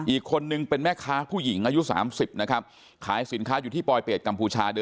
อีกคนนึงเป็นแม่ค้าผู้หญิงอายุ๓๐นะครับขายสินค้าอยู่ที่ปลอยเปรตกัมพูชา